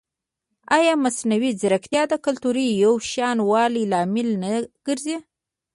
ایا مصنوعي ځیرکتیا د کلتوري یوشان والي لامل نه ګرځي؟